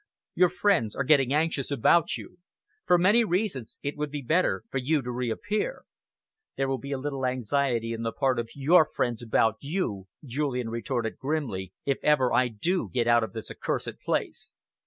Your friends are getting anxious about you. For many reasons it would be better for you to reappear." "There will be a little anxiety on the part of your friends about you," Julian retorted grimly, "if ever I do get out of this accursed place."